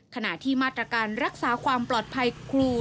ขณะที่มาตรการรักษาความปลอดภัยครู